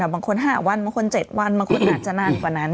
บางคน๕วันบางคน๗วันบางคนอาจจะนานกว่านั้น